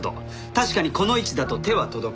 確かにこの位置だと手は届かない。